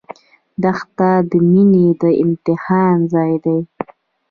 دښته د مینې د امتحان ځای دی.